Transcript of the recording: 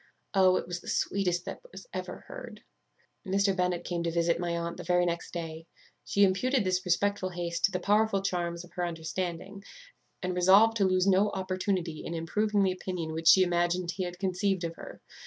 Oh! it was the sweetest that was ever heard. "Mr. Bennet came to visit my aunt the very next day. She imputed this respectful haste to the powerful charms of her understanding, and resolved to lose no opportunity in improving the opinion which she imagined he had conceived of her.